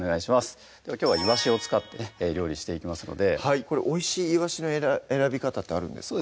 きょうはいわしを使って料理していきますのでおいしいいわしの選び方ってあるんですか？